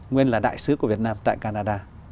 nguyên là đại sứ của việt nam tại canada